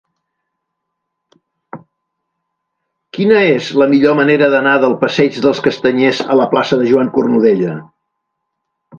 Quina és la millor manera d'anar del passeig dels Castanyers a la plaça de Joan Cornudella?